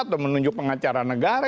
atau menunjuk pengacara negara